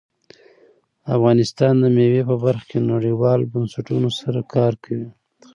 افغانستان د مېوې په برخه کې نړیوالو بنسټونو سره کار کوي.